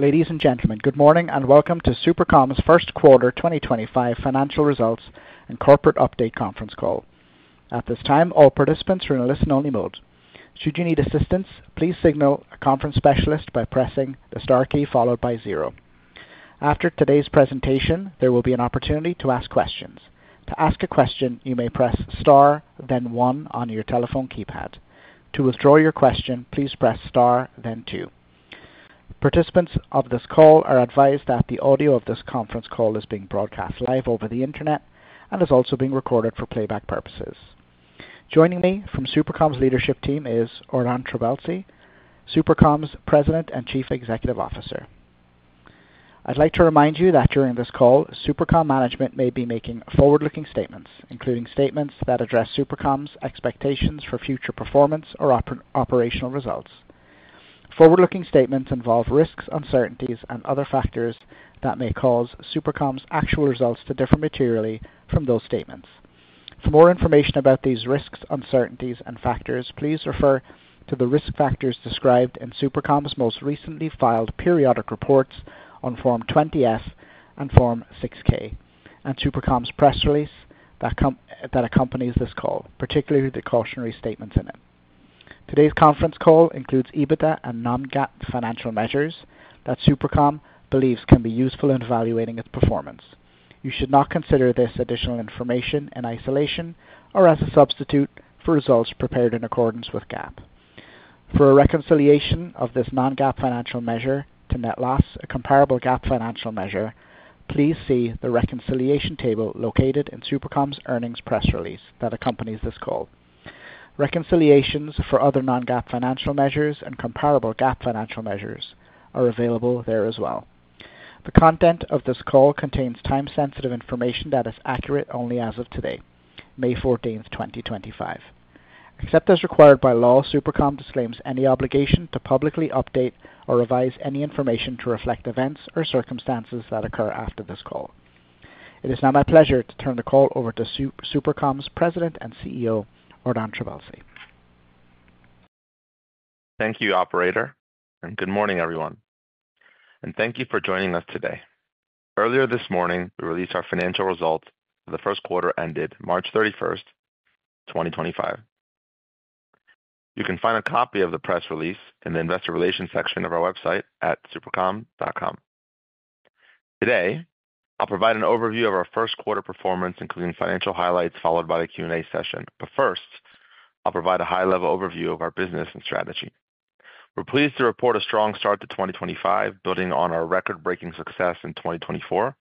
Ladies and gentlemen, good morning and welcome to SuperCom's first quarter 2025 financial results and corporate update conference call. At this time, all participants are in a listen-only mode. Should you need assistance, please signal a conference specialist by pressing the star key followed by zero. After today's presentation, there will be an opportunity to ask questions. To ask a question, you may press star, then one on your telephone keypad. To withdraw your question, please press star, then two. Participants of this call are advised that the audio of this conference call is being broadcast live over the internet and is also being recorded for playback purposes. Joining me from SuperCom's leadership team is Ordan Trabelsi, SuperCom's President and Chief Executive Officer. I'd like to remind you that during this call, SuperCom management may be making forward-looking statements, including statements that address SuperCom's expectations for future performance or operational results. Forward-looking statements involve risks, uncertainties, and other factors that may cause SuperCom's actual results to differ materially from those statements. For more information about these risks, uncertainties, and factors, please refer to the risk factors described in SuperCom's most recently filed periodic reports on Form 20F and Form 6K, and SuperCom's press release that accompanies this call, particularly the cautionary statements in it. Today's conference call includes EBITDA and non-GAAP financial measures that SuperCom believes can be useful in evaluating its performance. You should not consider this additional information in isolation or as a substitute for results prepared in accordance with GAAP. For a reconciliation of this non-GAAP financial measure to net loss, a comparable GAAP financial measure, please see the reconciliation table located in SuperCom's earnings press release that accompanies this call. Reconciliations for other non-GAAP financial measures and comparable GAAP financial measures are available there as well. The content of this call contains time-sensitive information that is accurate only as of today, May 14th, 2025. Except as required by law, SuperCom disclaims any obligation to publicly update or revise any information to reflect events or circumstances that occur after this call. It is now my pleasure to turn the call over to SuperCom's President and CEO, Ordan Trabelsi. Thank you, operator, and good morning, everyone. Thank you for joining us today. Earlier this morning, we released our financial results for the first quarter ended March 31, 2025. You can find a copy of the press release in the investor relations section of our website at supercom.com. Today, I'll provide an overview of our first quarter performance, including financial highlights followed by a Q&A session. First, I'll provide a high-level overview of our business and strategy. We're pleased to report a strong start to 2025, building on our record-breaking success in 2024,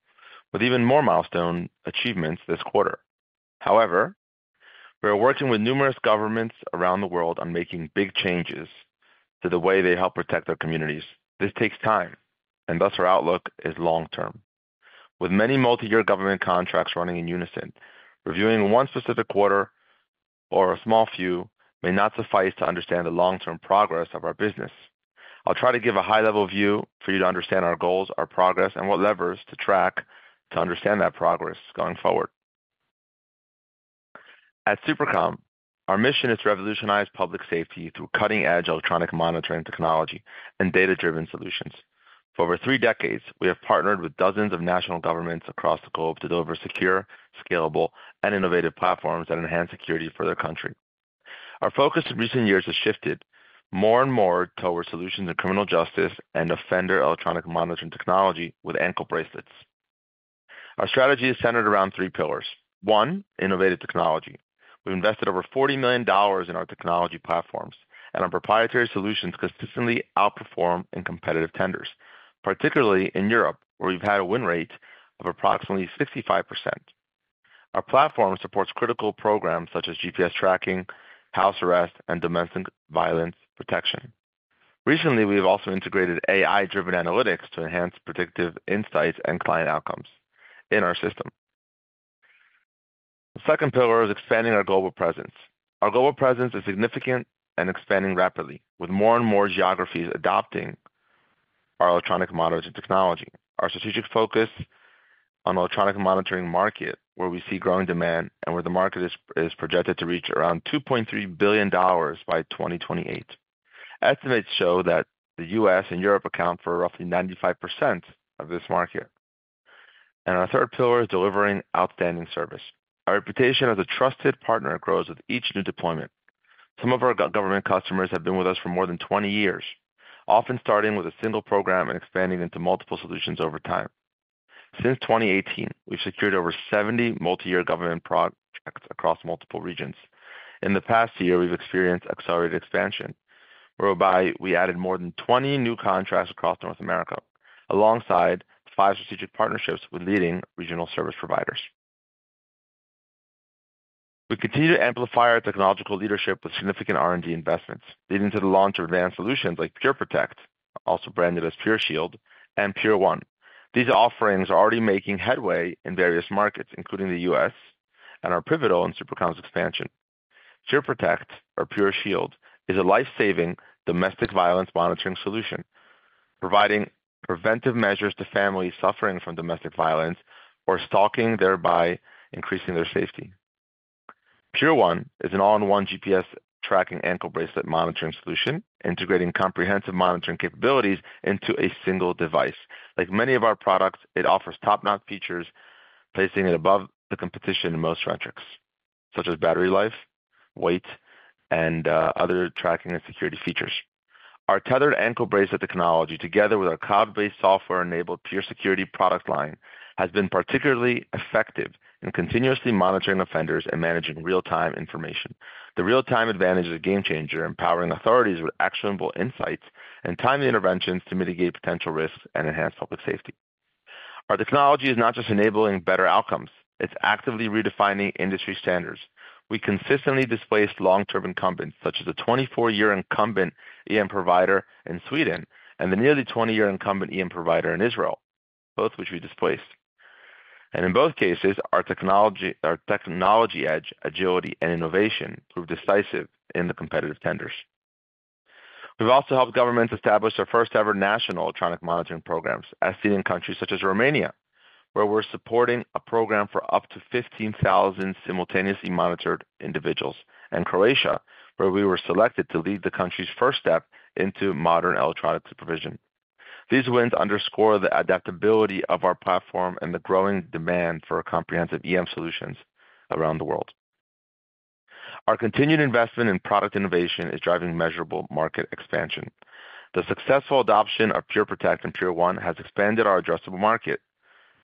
with even more milestone achievements this quarter. However, we are working with numerous governments around the world on making big changes to the way they help protect their communities. This takes time, and thus our outlook is long-term. With many multi-year government contracts running in unison, reviewing one specific quarter or a small few may not suffice to understand the long-term progress of our business. I'll try to give a high-level view for you to understand our goals, our progress, and what levers to track to understand that progress going forward. At SuperCom, our mission is to revolutionize public safety through cutting-edge electronic monitoring technology and data-driven solutions. For over three decades, we have partnered with dozens of national governments across the globe to deliver secure, scalable, and innovative platforms that enhance security for their country. Our focus in recent years has shifted more and more towards solutions in criminal justice and offender electronic monitoring technology with ankle bracelets. Our strategy is centered around three pillars. One, innovative technology. We've invested over $40 million in our technology platforms, and our proprietary solutions consistently outperform in competitive tenders, particularly in Europe, where we've had a win rate of approximately 65%. Our platform supports critical programs such as GPS tracking, house arrest, and domestic violence protection. Recently, we have also integrated AI-driven analytics to enhance predictive insights and client outcomes in our system. The second pillar is expanding our global presence. Our global presence is significant and expanding rapidly, with more and more geographies adopting our electronic monitoring technology. Our strategic focus on the electronic monitoring market, where we see growing demand and where the market is projected to reach around $2.3 billion by 2028. Estimates show that the U.S. and Europe account for roughly 95% of this market. Our third pillar is delivering outstanding service. Our reputation as a trusted partner grows with each new deployment. Some of our government customers have been with us for more than 20 years, often starting with a single program and expanding into multiple solutions over time. Since 2018, we've secured over 70 multi-year government projects across multiple regions. In the past year, we've experienced accelerated expansion, whereby we added more than 20 new contracts across North America, alongside five strategic partnerships with leading regional service providers. We continue to amplify our technological leadership with significant R&D investments, leading to the launch of advanced solutions like PureProtect, also branded as PureShield, and PureOne. These offerings are already making headway in various markets, including the U.S., and are pivotal in SuperCom's expansion. PureProtect, or PureShield, is a lifesaving domestic violence monitoring solution, providing preventive measures to families suffering from domestic violence or stalking, thereby increasing their safety. Pure one is an all-in-one GPS tracking ankle bracelet monitoring solution, integrating comprehensive monitoring capabilities into a single device. Like many of our products, it offers top-notch features, placing it above the competition in most metrics, such as battery life, weight, and other tracking and security features. Our tethered ankle bracelet technology, together with our COB-based software-enabled Pure s security product line, has been particularly effective in continuously monitoring offenders and managing real-time information. The real-time advantage is a game-changer, empowering authorities with actionable insights and timely interventions to mitigate potential risks and enhance public safety. Our technology is not just enabling better outcomes; it is actively redefining industry standards. We consistently displaced long-term incumbents, such as the 24-year incumbent EM provider in Sweden and the nearly 20-year incumbent EM provider in Israel, both of which we displaced. In both cases, our technology edge, agility, and innovation proved decisive in the competitive tenders. We've also helped governments establish their first-ever national electronic monitoring programs, as seen in countries such as Romania, where we're supporting a program for up to 15,000 simultaneously monitored individuals, and Croatia, where we were selected to lead the country's first step into modern electronic supervision. These wins underscore the adaptability of our platform and the growing demand for comprehensive EM solutions around the world. Our continued investment in product innovation is driving measurable market expansion. The successful adoption of PureProtect and PureOne has expanded our addressable market,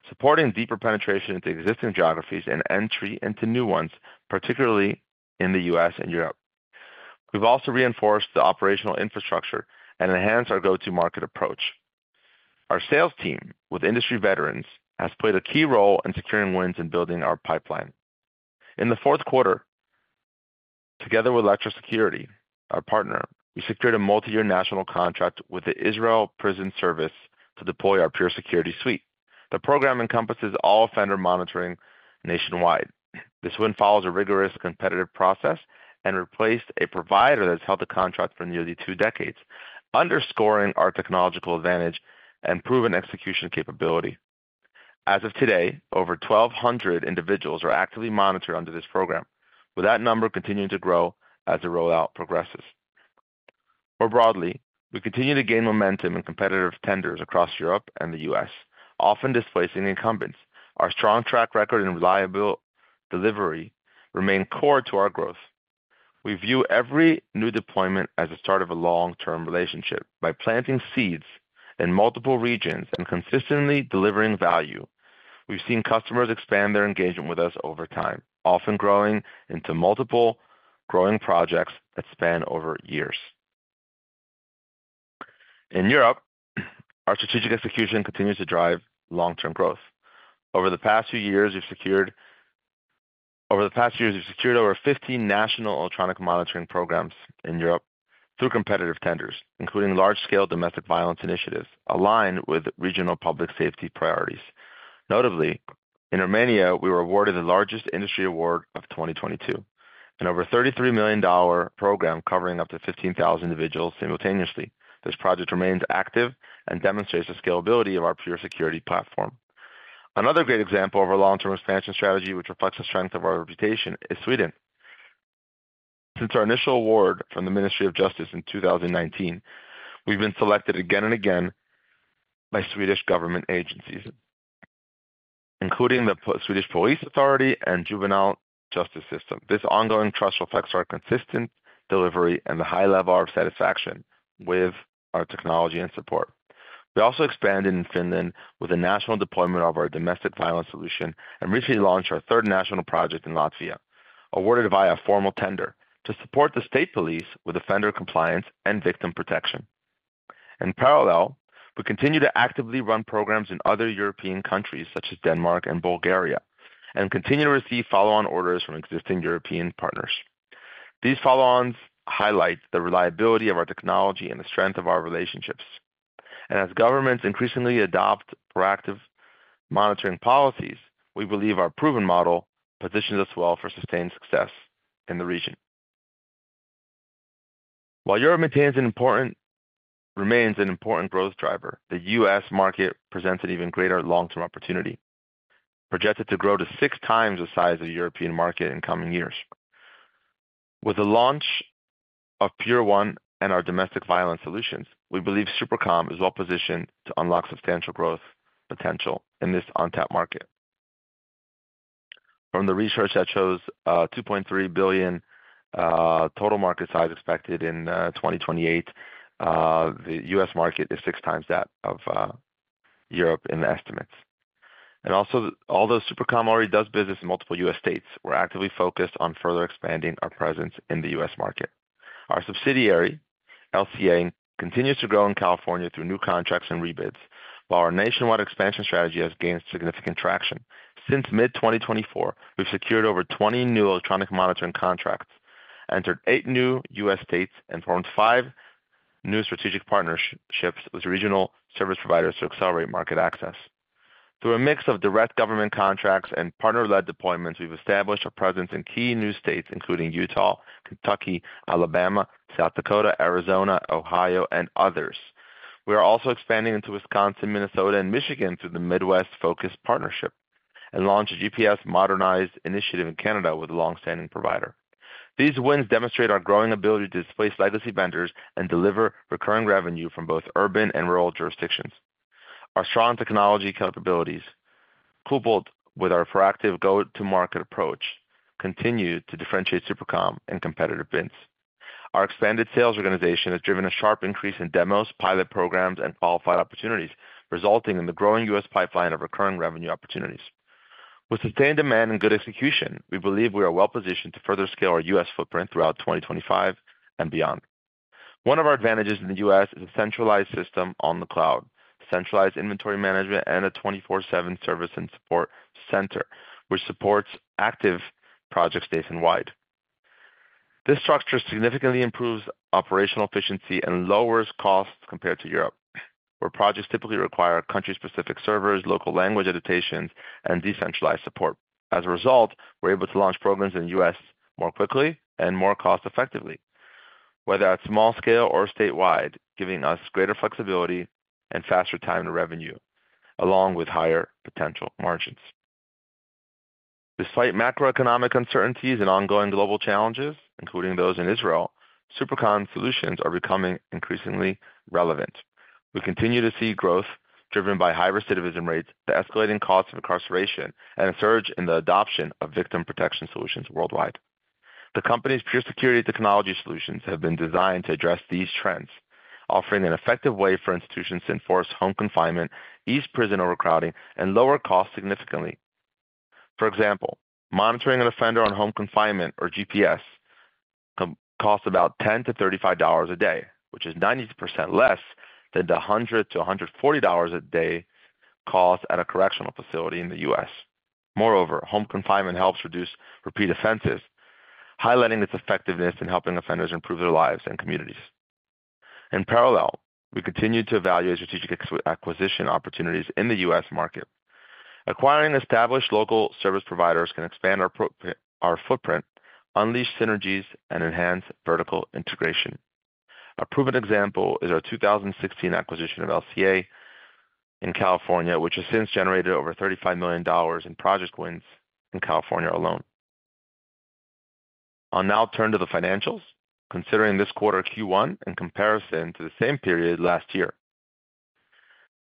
supporting deeper penetration into existing geographies and entry into new ones, particularly in the U.S. and Europe. We've also reinforced the operational infrastructure and enhanced our go-to-market approach. Our sales team, with industry veterans, has played a key role in securing wins and building our pipeline. In the fourth quarter, together with Electra Security, our partner, we secured a multi-year national contract with the Israel Prison Service to deploy our PureSecurity suite. The program encompasses all offender monitoring nationwide. This win follows a rigorous competitive process and replaced a provider that's held the contract for nearly two decades, underscoring our technological advantage and proven execution capability. As of today, over 1,200 individuals are actively monitored under this program, with that number continuing to grow as the rollout progresses. More broadly, we continue to gain momentum in competitive tenders across Europe and the U.S., often displacing incumbents. Our strong track record and reliable delivery remain core to our growth. We view every new deployment as the start of a long-term relationship. By planting seeds in multiple regions and consistently delivering value, we've seen customers expand their engagement with us over time, often growing into multiple projects that span over years. In Europe, our strategic execution continues to drive long-term growth. Over the past few years, we've secured over 15 national electronic monitoring programs in Europe through competitive tenders, including large-scale domestic violence initiatives aligned with regional public safety priorities. Notably, in Romania, we were awarded the largest industry award of 2022, an over $33 million program covering up to 15,000 individuals simultaneously. This project remains active and demonstrates the scalability of our PureSecurity platform. Another great example of our long-term expansion strategy, which reflects the strength of our reputation, is Sweden. Since our initial award from the Ministry of Justice in 2019, we've been selected again and again by Swedish government agencies, including the Swedish Police Authority and Juvenile Justice System. This ongoing trust reflects our consistent delivery and the high level of satisfaction with our technology and support. We also expanded in Finland with a national deployment of our domestic violence solution and recently launched our third national project in Latvia, awarded via a formal tender to support the state police with offender compliance and victim protection. In parallel, we continue to actively run programs in other European countries, such as Denmark and Bulgaria, and continue to receive follow-on orders from existing European partners. These follow-ons highlight the reliability of our technology and the strength of our relationships. As governments increasingly adopt proactive monitoring policies, we believe our proven model positions us well for sustained success in the region. While Europe remains an important growth driver, the U.S. market presents an even greater long-term opportunity, projected to grow to six times the size of the European market in coming years. With the launch of PureOne and our domestic violence solutions, we believe SuperCom is well positioned to unlock substantial growth potential in this untapped market. From the research that shows $2.3 billion total market size expected in 2028, the U.S. market is six times that of Europe in estimates. Also, although SuperCom already does business in multiple U.S. states, we're actively focused on further expanding our presence in the U.S. market. Our subsidiary, LCA, continues to grow in California through new contracts and rebids, while our nationwide expansion strategy has gained significant traction. Since mid-2024, we've secured over 20 new electronic monitoring contracts, entered eight new U.S. states, and formed five new strategic partnerships with regional service providers to accelerate market access. Through a mix of direct government contracts and partner-led deployments, we've established our presence in key new states, including Utah, Kentucky, Alabama, South Dakota, Arizona, Ohio, and others. We are also expanding into Wisconsin, Minnesota, and Michigan through the Midwest-focused partnership and launched a GPS modernized initiative in Canada with a long-standing provider. These wins demonstrate our growing ability to displace legacy vendors and deliver recurring revenue from both urban and rural jurisdictions. Our strong technology capabilities, coupled with our proactive go-to-market approach, continue to differentiate SuperCom in competitive bins. Our expanded sales organization has driven a sharp increase in demos, pilot programs, and qualified opportunities, resulting in the growing U.S. pipeline of recurring revenue opportunities. With sustained demand and good execution, we believe we are well positioned to further scale our U.S. footprint throughout 2025 and beyond. One of our advantages in the U.S. is a centralized system on the cloud, centralized inventory management, and a 24/7 service and support center, which supports active projects nationwide. This structure significantly improves operational efficiency and lowers costs compared to Europe, where projects typically require country-specific servers, local language adaptations, and decentralized support. As a result, we're able to launch programs in the U.S. more quickly and more cost-effectively, whether at small scale or statewide, giving us greater flexibility and faster time and revenue, along with higher potential margins. Despite macroeconomic uncertainties and ongoing global challenges, including those in Israel, SuperCom solutions are becoming increasingly relevant. We continue to see growth driven by high recidivism rates, the escalating cost of incarceration, and a surge in the adoption of victim protection solutions worldwide. The company's PureSecurity technology solutions have been designed to address these trends, offering an effective way for institutions to enforce home confinement, ease prison overcrowding, and lower costs significantly. For example, monitoring an offender on home confinement, or GPS, costs about $10-$35 a day, which is 90% less than the $100-$140 a day cost at a correctional facility in the U.S. Moreover, home confinement helps reduce repeat offenses, highlighting its effectiveness in helping offenders improve their lives and communities. In parallel, we continue to evaluate strategic acquisition opportunities in the U.S. market. Acquiring established local service providers can expand our footprint, unleash synergies, and enhance vertical integration. A proven example is our 2016 acquisition of LCA in California, which has since generated over $35 million in project wins in California alone. I'll now turn to the financials, considering this quarter Q1 in comparison to the same period last year.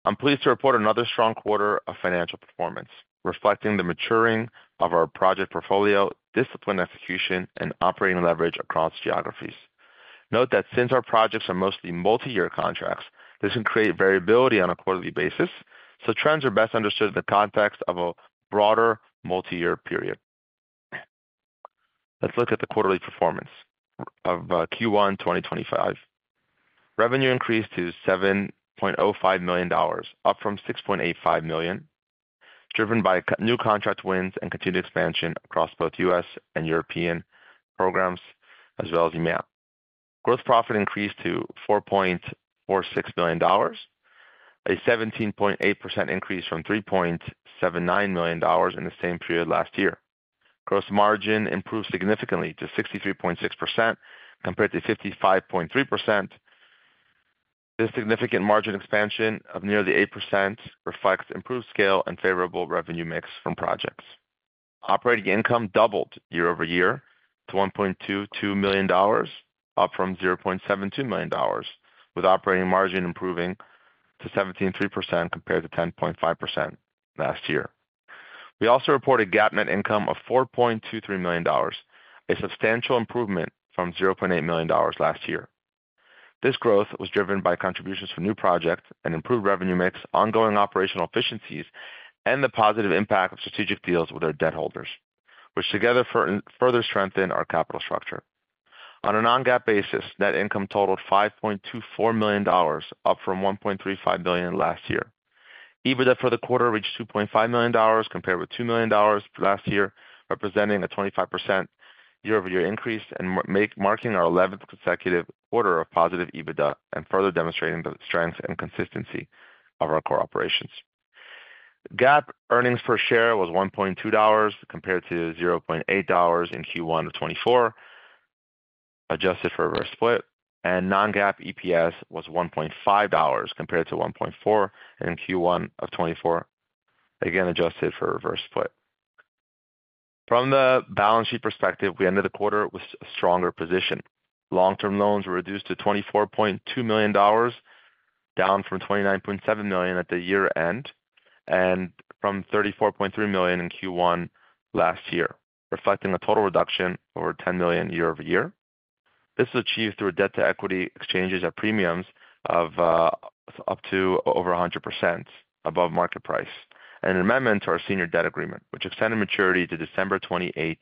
I'm pleased to report another strong quarter of financial performance, reflecting the maturing of our project portfolio, discipline execution, and operating leverage across geographies. Note that since our projects are mostly multi-year contracts, this can create variability on a quarterly basis, so trends are best understood in the context of a broader multi-year period. Let's look at the quarterly performance of Q1 2025. Revenue increased to $7.05 million, up from $6.85 million, driven by new contract wins and continued expansion across both U.S. and European programs, as well as EMAP. Gross profit increased to $4.46 million, a 17.8% increase from $3.79 million in the same period last year. Gross margin improved significantly to 63.6% compared to 55.3%. This significant margin expansion of nearly 8% reflects improved scale and favorable revenue mix from projects. Operating income doubled year over year to $1.22 million, up from $0.72 million, with operating margin improving to 17.3% compared to 10.5% last year. We also report a GAAP net income of $4.23 million, a substantial improvement from $0.8 million last year. This growth was driven by contributions from new projects and improved revenue mix, ongoing operational efficiencies, and the positive impact of strategic deals with our debt holders, which together further strengthen our capital structure. On a non-GAAP basis, net income totaled $5.24 million, up from $1.35 million last year. EBITDA for the quarter reached $2.5 million compared with $2 million last year, representing a 25% year-over-year increase and marking our 11th consecutive quarter of positive EBITDA and further demonstrating the strength and consistency of our core operations. GAAP earnings per share was $1.2 compared to $0.8 in Q1 of 2024, adjusted for reverse split, and non-GAAP EPS was $1.5 compared to $1.4 in Q1 of 2024, again adjusted for reverse split. From the balance sheet perspective, we ended the quarter with a stronger position. Long-term loans were reduced to $24.2 million, down from $29.7 million at the year-end and from $34.3 million in Q1 last year, reflecting a total reduction of over $10 million year-over-year. This was achieved through debt-to-equity exchanges at premiums of up to over 100% above market price and an amendment to our senior debt agreement, which extended maturity to December 28,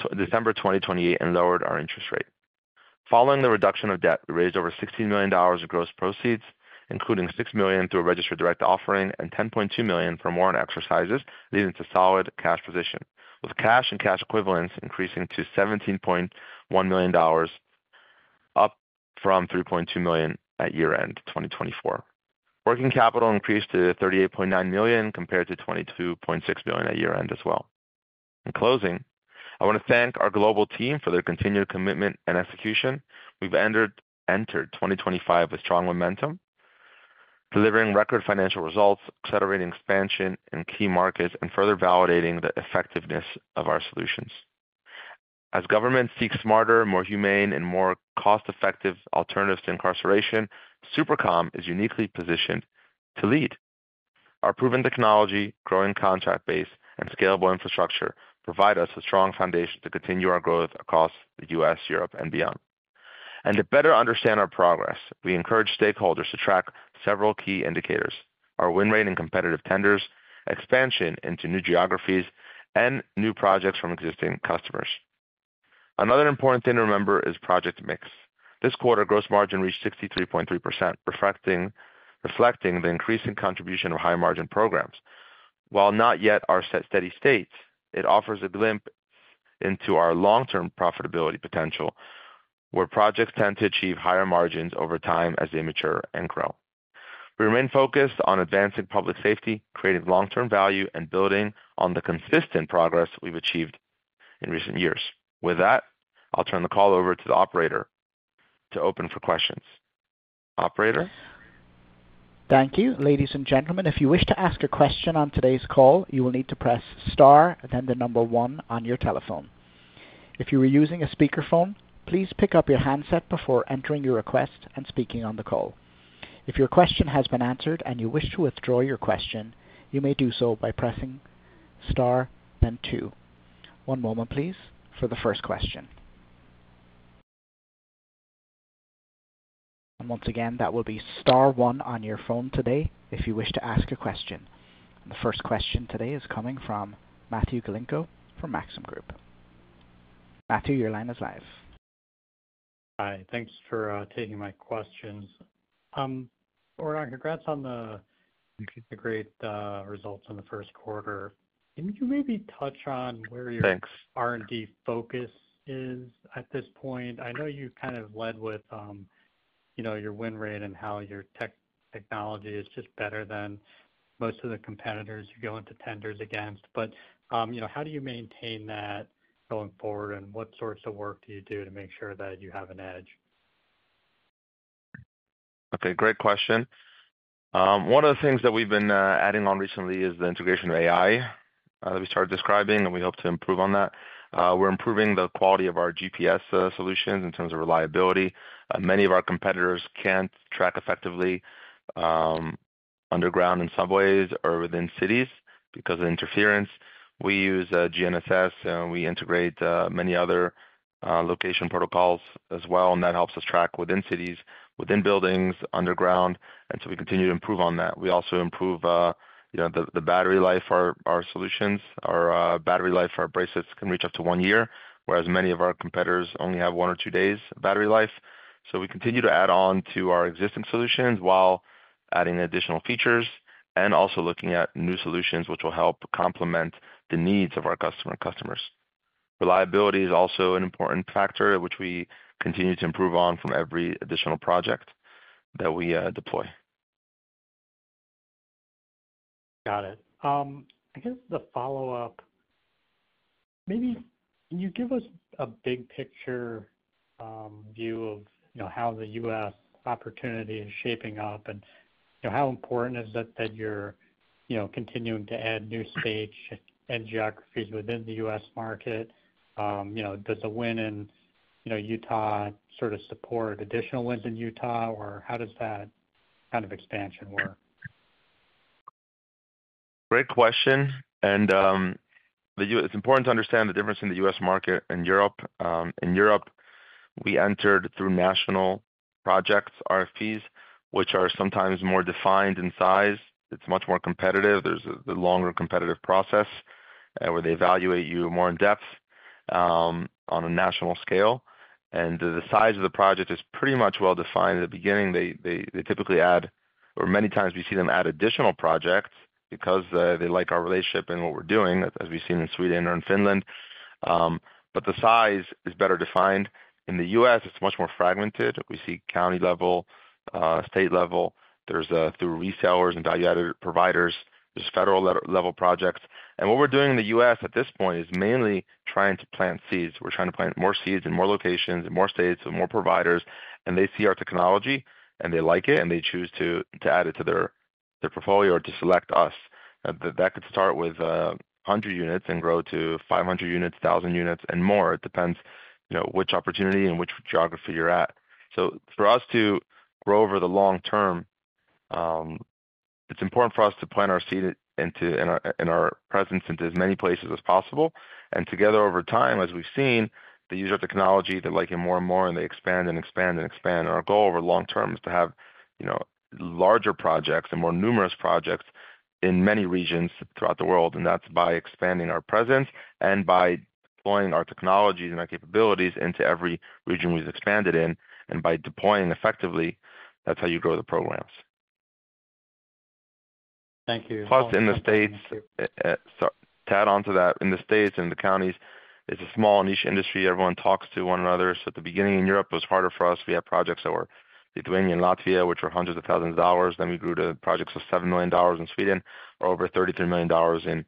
2028, and lowered our interest rate. Following the reduction of debt, we raised over $16 million in gross proceeds, including $6 million through a registered direct offering and $10.2 million from warrant exercises, leading to a solid cash position, with cash and cash equivalents increasing to $17.1 million, up from $3.2 million at year-end 2024. Working capital increased to $38.9 million compared to $22.6 million at year-end as well. In closing, I want to thank our global team for their continued commitment and execution. We've entered 2025 with strong momentum, delivering record financial results, accelerating expansion in key markets, and further validating the effectiveness of our solutions. As governments seek smarter, more humane, and more cost-effective alternatives to incarceration, SuperCom is uniquely positioned to lead. Our proven technology, growing contract base, and scalable infrastructure provide us a strong foundation to continue our growth across the U.S., Europe, and beyond. To better understand our progress, we encourage stakeholders to track several key indicators: our win rate in competitive tenders, expansion into new geographies, and new projects from existing customers. Another important thing to remember is project mix. This quarter, gross margin reached 63.3%, reflecting the increasing contribution of high-margin programs. While not yet our steady state, it offers a glimpse into our long-term profitability potential, where projects tend to achieve higher margins over time as they mature and grow. We remain focused on advancing public safety, creating long-term value, and building on the consistent progress we've achieved in recent years. With that, I'll turn the call over to the operator to open for questions. Operator. Thank you. Ladies and gentlemen, if you wish to ask a question on today's call, you will need to press star, then the number one on your telephone. If you are using a speakerphone, please pick up your handset before entering your request and speaking on the call. If your question has been answered and you wish to withdraw your question, you may do so by pressing star, then two. One moment, please, for the first question. Once again, that will be star one on your phone today if you wish to ask a question. The first question today is coming from Matthew Galinko from Maxim Group.Matthew, your line is live. Hi. Thanks for taking my questions. Ordan, congrats on the great results in the first quarter. Can you maybe touch on where your R&D focus is at this point? I know you kind of led with your win rate and how your technology is just better than most of the competitors you go into tenders against, but how do you maintain that going forward, and what sorts of work do you do to make sure that you have an edge? Okay. Great question. One of the things that we've been adding on recently is the integration of AI that we started describing, and we hope to improve on that. We're improving the quality of our GPS solutions in terms of reliability. Many of our competitors can't track effectively underground in subways or within cities because of interference. We use GNSS, and we integrate many other location protocols as well, and that helps us track within cities, within buildings, underground, and we continue to improve on that. We also improve the battery life of our solutions. Our battery life for our bracelets can reach up to one year, whereas many of our competitors only have one or two days of battery life. We continue to add on to our existing solutions while adding additional features and also looking at new solutions which will help complement the needs of our customers. Reliability is also an important factor which we continue to improve on from every additional project that we deploy. Got it. I guess the follow-up, maybe can you give us a big picture view of how the U.S. opportunity is shaping up and how important is it that you're continuing to add new states and geographies within the U.S. market? Does the win in Utah sort of support additional wins in Utah, or how does that kind of expansion work? Great question. It is important to understand the difference in the U.S. market and Europe. In Europe, we entered through national projects, RFPs, which are sometimes more defined in size. It's much more competitive. There's a longer competitive process where they evaluate you more in depth on a national scale. And the size of the project is pretty much well-defined. In the beginning, they typically add, or many times we see them add additional projects because they like our relationship and what we're doing, as we've seen in Sweden or in Finland. The size is better defined. In the U.S., it's much more fragmented. We see county level, state level. There's through resellers and value-added providers. There's federal level projects. What we're doing in the U.S. at this point is mainly trying to plant seeds. We're trying to plant more seeds in more locations and more states and more providers. They see our technology, they like it, and they choose to add it to their portfolio or to select us. That could start with 100 units and grow to 500 units, 1,000 units, and more. It depends which opportunity and which geography you're at. For us to grow over the long term, it's important for us to plant our seed and our presence into as many places as possible. Together, over time, as we've seen, they use our technology, they like it more and more, and they expand and expand and expand. Our goal over the long term is to have larger projects and more numerous projects in many regions throughout the world. That's by expanding our presence and by deploying our technologies and our capabilities into every region we've expanded in. By deploying effectively, that's how you grow the programs. Thank you. Plus, in the states, to add on to that, in the states and the counties, it's a small niche industry. Everyone talks to one another. At the beginning in Europe, it was harder for us. We had projects that were Lithuania and Latvia, which were hundreds of thousands of dollars. Then we grew to projects of $7 million in Sweden or over $33 million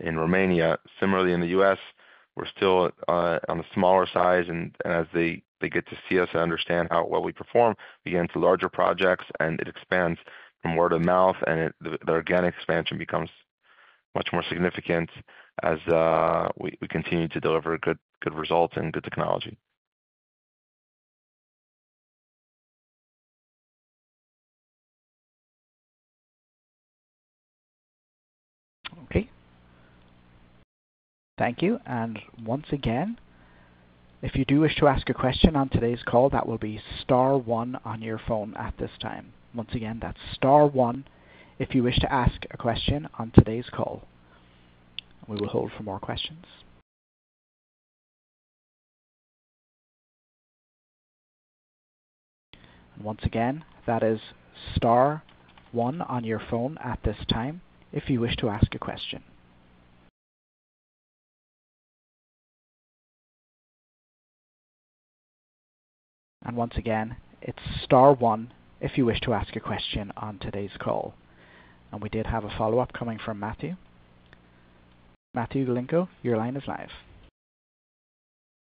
in Romania. Similarly, in the U.S., we're still on a smaller size. As they get to see us and understand how well we perform, we get into larger projects, and it expands from word of mouth, and the organic expa nsion becomes much more significant as we continue to deliver good results and good technology. Okay. Thank you. Once again, if you do wish to ask a question on today's call, that will be star one on your phone at this time. Once again, that's star one if you wish to ask a question on today's call. We will hold for more questions. Once again, that is star one on your phone at this time if you wish to ask a question. Once again, it's star one if you wish to ask a question on today's call. We did have a follow-up coming from Matthew. Matthew Galinko, your line is live.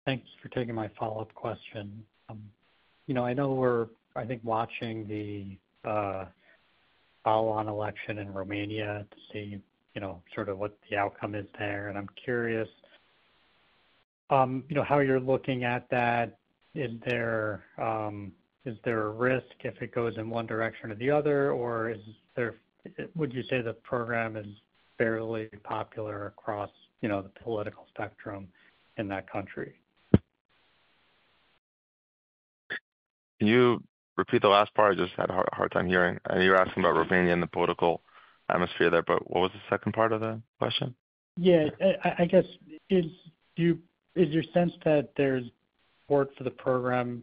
Thanks for taking my follow-up question. I know we're, I think, watching the follow-on election in Romania to see sort of what the outcome is there. I'm curious how you're looking at that. Is there a risk if it goes in one direction or the other, or would you say the program is fairly popular across the political spectrum in that country? Can you repeat the last part? I just had a hard time hearing. You were asking about Romania and the political atmosphere there, but what was the second part of the question? Yeah. I guess, is your sense that there's support for the program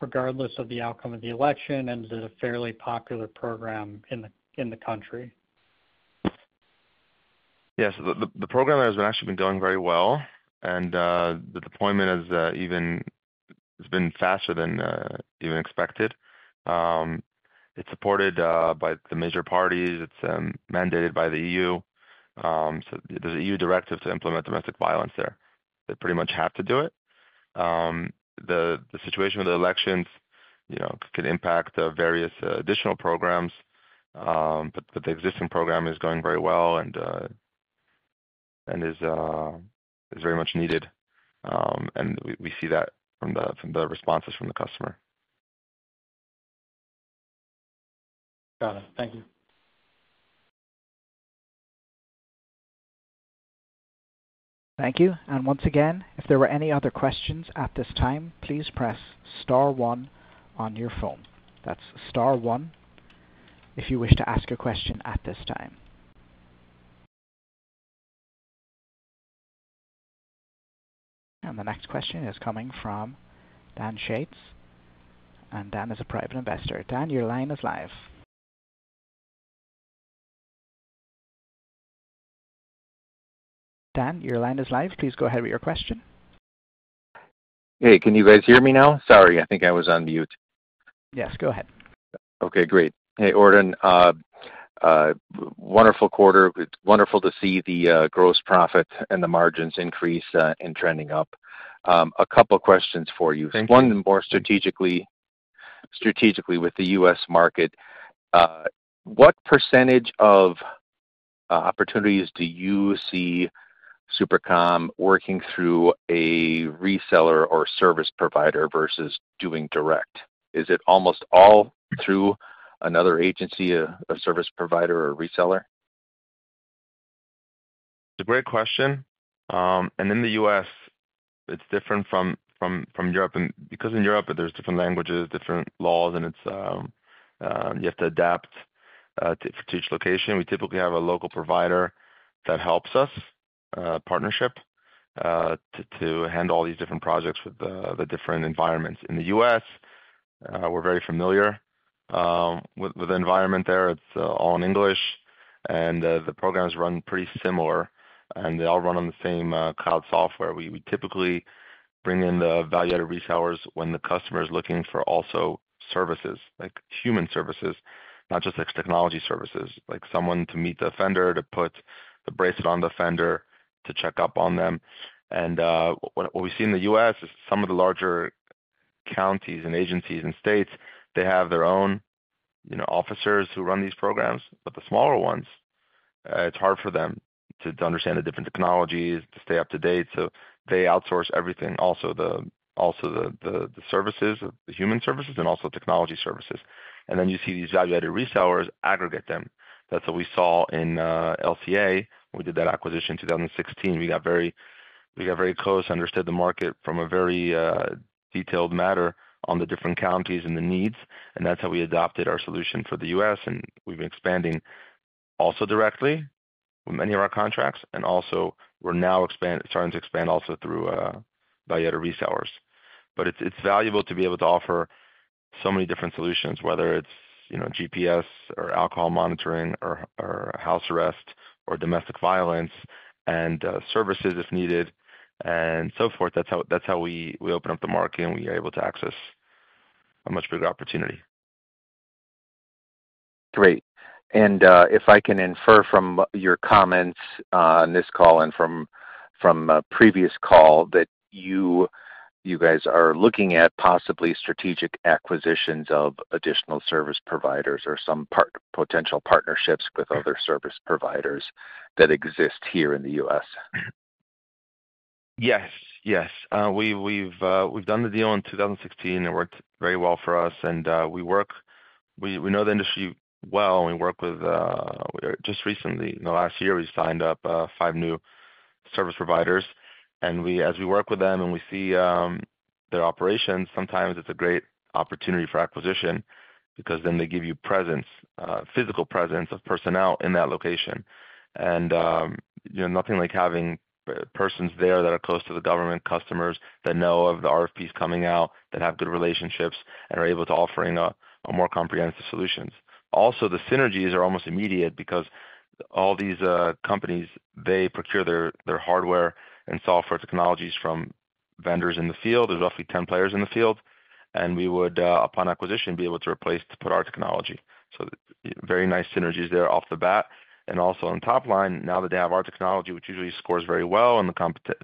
regardless of the outcome of the election, and is it a fairly popular program in the country? Yes. The program has actually been going very well, and the deployment has even been faster than even expected. It's supported by the major parties. It's mandated by the EU. There's an EU directive to implement domestic violence there. They pretty much have to do it. The situation with the elections could impact various additional programs, but the existing program is going very well and is very much needed. We see that from the responses from the customer. Got it. Thank you. Thank you. Once again, if there were any other questions at this time, please press star one on your phone. That's star one if you wish to ask a question at this time. The next question is coming from Dan Shates is a private investor. Dan, your line is live. Please go ahead with your question. Hey, can you guys hear me now? Sorry. I think I was on mute. Yes, go ahead. Okay. Great. Hey, Ordan, wonderful quarter. Wonderful to see the gross profit and the margins increase and trending up. A couple of questions for you. One more strategically with the U.S. market. What percentage of opportunities do you see SuperCom working through a reseller or service provider versus doing direct? Is it almost all through another agency, a service provider, or a reseller? It's a great question. In the U.S., it's different from Europe because in Europe, there's different languages, different laws, and you have to adapt to each location. We typically have a local provider that helps us, a partnership, to handle all these different projects with the different environments. In the U.S., we're very familiar with the environment there. It's all in English, and the programs run pretty similar, and they all run on the same cloud software. We typically bring in the value-added resellers when the customer is looking for also services, like human services, not just technology services, like someone to meet the offender, to put the bracelet on the offender, to check up on them. What we see in the U.S. Some of the larger counties and agencies and states, they have their own officers who run these programs, but the smaller ones, it's hard for them to understand the different technologies, to stay up to date. They outsource everything, also the services, the human services, and also technology services. You see these value-added resellers aggregate them. That's what we saw in LCA. We did that acquisition in 2016. We got very close, understood the market from a very detailed manner on the different counties and the needs. That's how we adopted our solution for the U.S., and we've been expanding also directly with many of our contracts. We're now starting to expand also through value-added resellers. It is valuable to be able to offer so many different solutions, whether it is GPS or alcohol monitoring or house arrest or domestic violence and services if needed and so forth. That is how we open up the market, and we are able to access a much bigger opportunity. Great. If I can infer from your comments on this call and from a previous call that you guys are looking at possibly strategic acquisitions of additional service providers or some potential partnerships with other service providers that exist here in the U.S. Yes. Yes. We have done the deal in 2016. It worked very well for us, and we know the industry well. We worked with just recently, in the last year, we signed up five new service providers. As we work with them and we see their operations, sometimes it's a great opportunity for acquisition because then they give you physical presence of personnel in that location. Nothing like having persons there that are close to the government customers that know of the RFPs coming out, that have good relationships, and are able to offer more comprehensive solutions. Also, the synergies are almost immediate because all these companies, they procure their hardware and software technologies from vendors in the field. There's roughly 10 players in the field, and we would, upon acquisition, be able to replace to put our technology. Very nice synergies there off the bat. Also on top line, now that they have our technology, which usually scores very well in the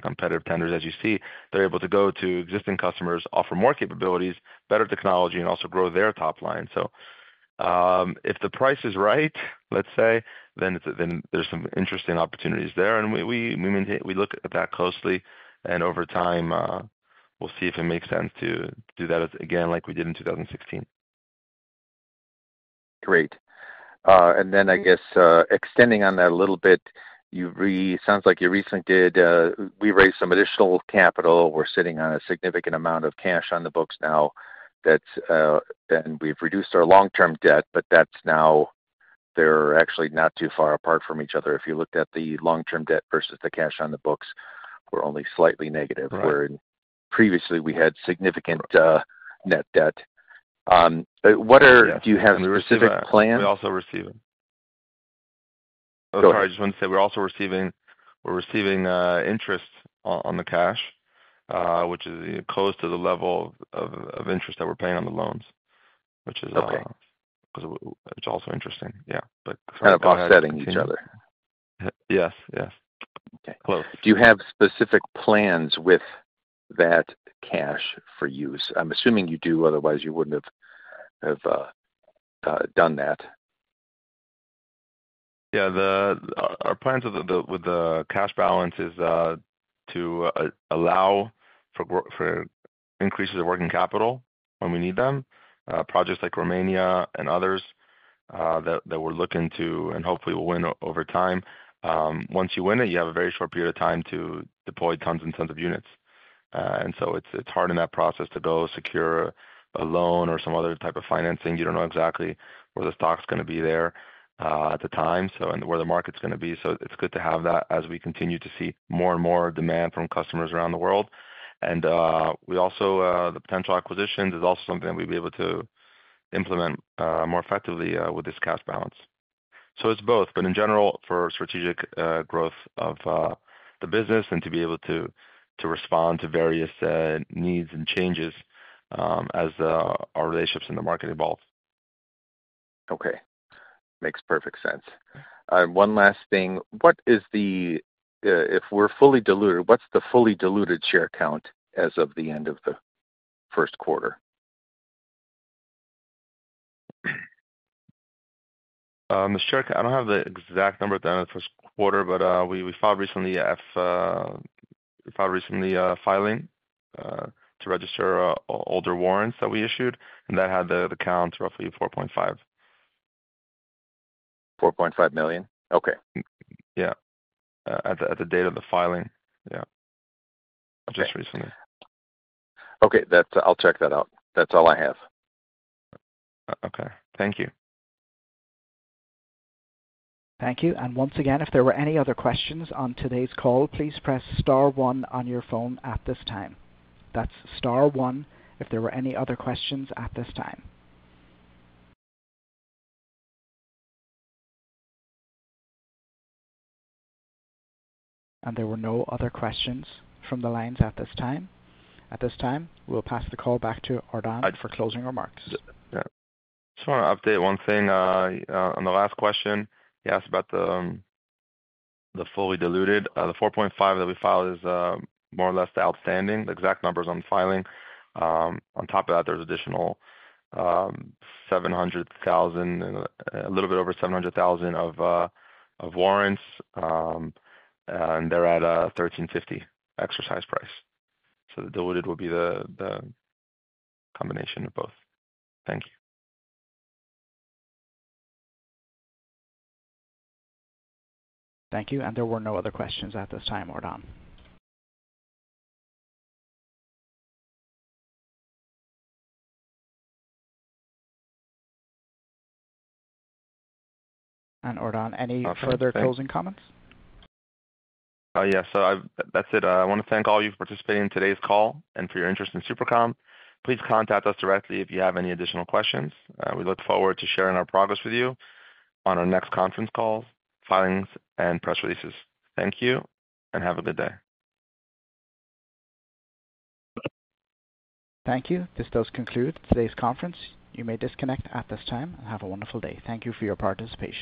competitive tenders, as you see, they're able to go to existing customers, offer more capabilities, better technology, and also grow their top line. If the price is right, let's say, then there's some interesting opportunities there. We look at that closely, and over time, we'll see if it makes sense to do that again like we did in 2016. Great. I guess extending on that a little bit, it sounds like you recently did, "We raised some additional capital. We're sitting on a significant amount of cash on the books now, and we've reduced our long-term debt, but that's now they're actually not too far apart from each other." If you looked at the long-term debt versus the cash on the books, we're only slightly negative. Where previously, we had significant net debt. Do you have specific plans? We're also receiving—sorry, I just wanted to say we're also receiving interest on the cash, which is close to the level of interest that we're paying on the loans, which is also interesting. Yeah. Kind of cost-setting each other. Yes. Yes. Close. Do you have specific plans with that cash for use? I'm assuming you do. Otherwise, you wouldn't have done that. Yeah. Our plans with the cash balance is to allow for increases of working capital when we need them. Projects like Romania and others that we're looking to and hopefully will win over time. Once you win it, you have a very short period of time to deploy tons and tons of units. And so it's hard in that process to go secure a loan or some other type of financing. You do not know exactly where the stock is going to be there at the time and where the market is going to be. It is good to have that as we continue to see more and more demand from customers around the world. The potential acquisitions is also something that we would be able to implement more effectively with this cash balance. It is both. In general, for strategic growth of the business and to be able to respond to various needs and changes as our relationships in the market evolve. Okay. Makes perfect sense. One last thing. If we are fully diluted, what is the fully diluted share count as of the end of the first quarter? I do not have the exact number at the end of the first quarter, but we filed recently filing to register older warrants that we issued, and that had the count roughly 4.5. 4.5 million? Okay. Yeah. At the dat e of the filing. Yeah. Just recently. Okay. I'll check that out. That's all I have. Okay. Thank you. Thank you. If there were any other questions on today's call, please press star one on your phone at this time. That's star one if there were any other questions at this time. There were no other questions from the lines at this time. At this time, we'll pass the call back to Ordan for closing remarks. Just want to update one thing on the last question you asked about the fully diluted. The 4.5 that we filed is more or less outstanding. The exact numbers on filing. On top of that, there's additional 700,000, a little bit over 700,000 of warrants, and they're at $1.35 exercise price. The diluted would be the combination of both. Thank you. Thank you. There were no other questions at this time, Ordan. Ordan, any further closing comments? Yeah. That is it. I want to thank all of you for participating in today's call and for your interest in SuperCom. Please contact us directly if you have any additional questions. We look forward to sharing our progress with you on our next conference calls, filings, and press releases. Thank you, and have a good day. Thank you. This does conclude today's conference. You may disconnect at this time and have a wonderful day. Thank you for your participation.